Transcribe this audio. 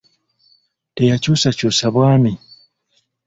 Teyakyusakyusa bwami.